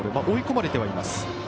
追い込まれてはいます。